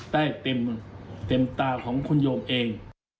ได้เต็มตาของคุณโยมเอง